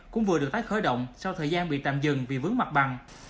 cũng vừa được tái khởi động sau thời gian bị tạm dừng vì vướng mặt bằng